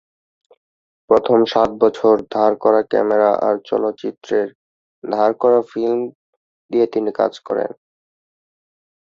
প্রথম সাত বছর ধার করা ক্যামেরা আর চলচ্চিত্রের ধার করা ফিল্ম দিয়ে তিনি কাজ করেন।